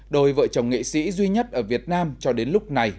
đôi vợ chồng nghệ sĩ duy nhất ở việt nam cho đến lúc này